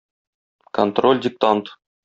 Контроль диктант.